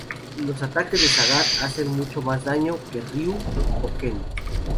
Los ataques de Sagat hacen mucho más daño que Ryu o Ken.